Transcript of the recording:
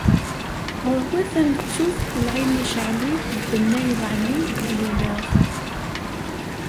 Ɣur-wat ad nettut Lɛimec Ɛli d Bennay Weɛli d wiyaḍ.